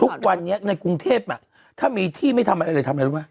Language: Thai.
ทุกวันนี้ในกรุงเทพถ้ามีที่ไม่ทำอะไรเลยทำอะไรรู้ไหม